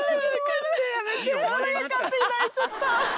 体が勝手に泣いちゃった。